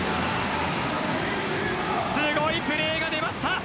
すごいプレーが出ました。